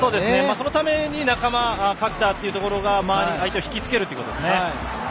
そのために仲間、垣田が相手を引き付けるということですね。